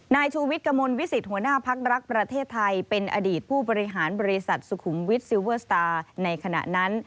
นายชูวิทย์กระมวลวิสิตหัวหน้าพักรักประเทศไทยเป็นอดีตผู้บริหารบริษัทสุขุมวิทซิลเวอร์สตาร์ในขณะนั้น